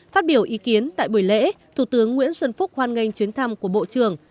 phát biểu ý kiến tại buổi lễ thủ tướng nguyễn xuân phúc hoan nghênh chuyến thăm của bộ trưởng